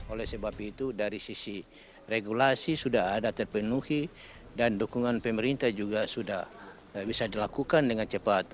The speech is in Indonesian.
oleh sebab itu dari sisi regulasi sudah ada terpenuhi dan dukungan pemerintah juga sudah bisa dilakukan dengan cepat